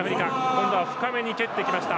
今度は深めに入ってきました。